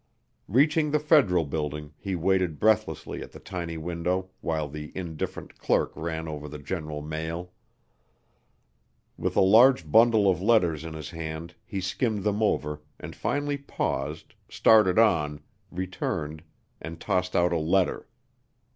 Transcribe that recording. Reaching the Federal Building, he waited breathlessly at the tiny window while the indifferent clerk ran over the general mail. With a large bundle of letters in his hand he skimmed them over and finally paused, started on, returned, and tossed out a letter.